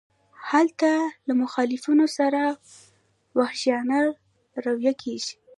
هلته له مخالفانو سره وحشیانه رویه کیږي.